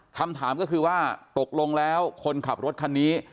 คำถามก็คือว่าตกลงแล้วคนขับรถคันนี้